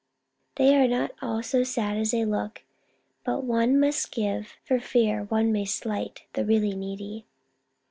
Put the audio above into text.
They are not all so sad as they look, but one must give for fear one may slight the really needy."